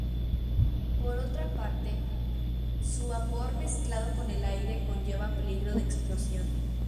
Por otra parte, su vapor mezclado con el aire conlleva peligro de explosión.